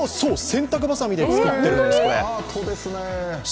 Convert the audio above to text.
洗濯ばさみで作ってるんです、これ。